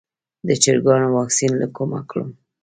د چرګانو واکسین له کومه کړم؟